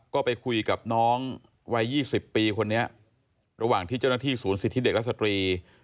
ก็ไปคุยกับน้องวัย๒๐ปีคนนี้ระหว่างที่เจ้าหน้าที่ศูนย์สิทธิเด็กและสตรี